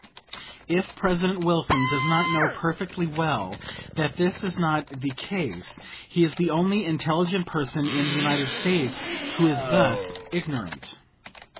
If President Wilson does not know perfectly well that this is not the case, he is the only intelligent person in the United States who is thus ignorant.